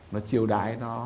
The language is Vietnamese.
nó chiêu đái nó